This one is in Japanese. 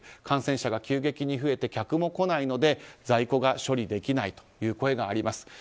感染者が急激に増えて客も来ないので在庫が処理できないという声があります。